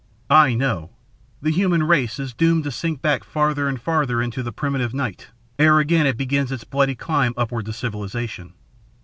I know. The human race is doomed to sink back farther and farther into the primitive night ere again it begins its bloody climb upward to civilization.